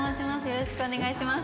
よろしくお願いします。